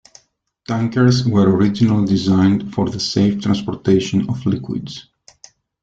Tankers were originally designed for the safe transportation of liquids.